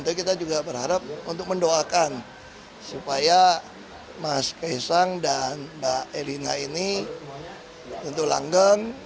tapi kita juga berharap untuk mendoakan supaya mas kaisang dan mbak elina ini tentu langgeng